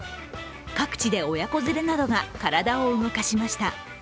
各地で親子連れなどが体を動かしました。